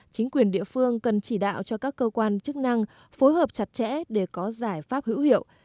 chính quyền địa phương cần chỉ đạo cho các cơ quan chức năng phối hợp chặt chẽ để có giải pháp hữu hiệu